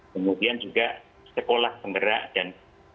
kemudian juga sekolah penggerak dan